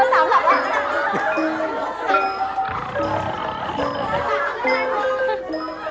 สาวหลับแล้ว